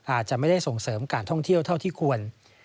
อาจจะไม่ได้ส่งเสริมการท่องเที่ยวเท่าที่ควร